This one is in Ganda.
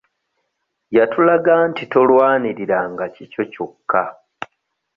Yatulaga nti tolwanirira nga kikyo kyokka.